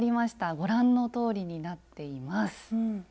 ご覧のとおりになっています。